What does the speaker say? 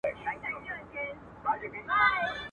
څوك به اخلي د پېړيو كساتونه.